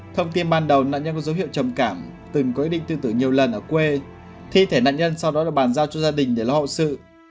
thông tin ban đầu nạn nhân có dấu hiệu trầm cảm từng có ý định tư tử nhiều lần ở quê thi thể nạn nhân sau đó được bàn giao cho gia đình để lo hậu sự